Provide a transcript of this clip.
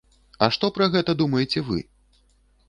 А што пра гэта думаеце вы?